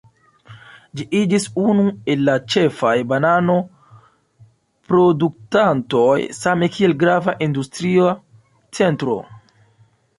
Ĝi iĝis unu el la ĉefaj banano-produktantoj same kiel grava industria centro.